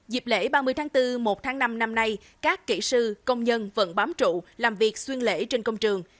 dịp lễ ba mươi tháng bốn một tháng năm năm nay các kỹ sư công nhân vẫn bám trụ làm việc xuyên lễ trên công trường